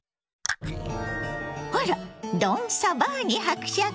あらドン・サバーニ伯爵。